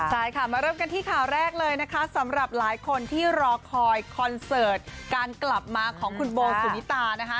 ใช่ค่ะมาเริ่มกันที่ข่าวแรกเลยนะคะสำหรับหลายคนที่รอคอยคอนเสิร์ตการกลับมาของคุณโบสุนิตานะคะ